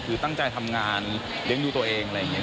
คือตั้งใจทำงานเลี้ยงดูตัวเองอะไรอย่างนี้